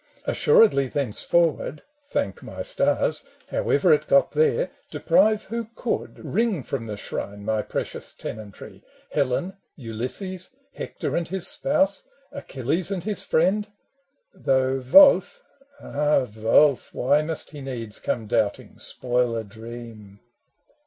Assuredly thenceforward — thank my stars !— However it got there, deprive who could — Wring from the shrine my precious tenantry, Helen, Ulysses, Hector and his Spouse, Achilles and his Friend? — though Wolf — ah, Wolf I Why must he needs come doubting, spoil a dream